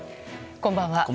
こんばんは。